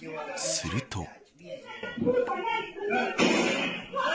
すると。